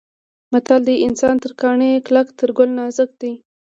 متل دی: انسان تر کاڼي کلک تر ګل نازک دی.